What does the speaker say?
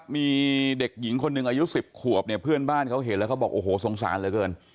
มีเด็กหญิงคนหนึ่งอายุ๑๐ขวบเนี่ยเพื่อนบ้านเขาเห็นแล้วเขาบอกโอ้โหสงสารเหลือเกิน